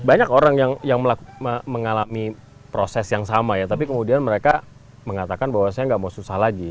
banyak orang yang mengalami proses yang sama ya tapi kemudian mereka mengatakan bahwa saya nggak mau susah lagi